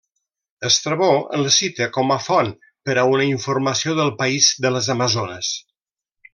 Estrabó el cita com a font per una informació del país de les amazones.